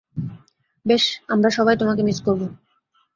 বেশ, আমরা সবাই তোমাকে মিস করব।